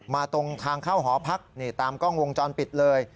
ตรงทางเข้าหอพักนี่ตามกล้องวงจรปิดเลย